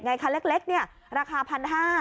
ในคันเล็กราคา๑๕๐๐บาท